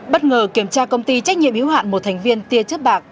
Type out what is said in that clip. bất ngờ kiểm tra công ty trách nhiệm yếu hạn một thành viên tia chớp bạc